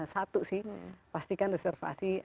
satu sih pastikan reservasi